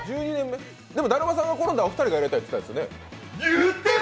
でもだるまさんがころんだはお二人がやりたいって言ったんですよね？